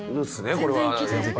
これは。